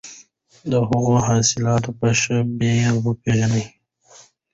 د هغوی حاصلات په ښه بیه وپېرئ.